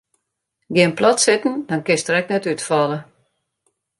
Gean plat sitten dan kinst der ek net útfalle.